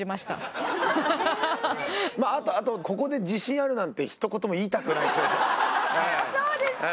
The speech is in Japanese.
まああとここで「自信ある」なんてひと言も言いたくないですよね。